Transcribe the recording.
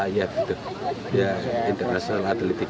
dia interasional atletik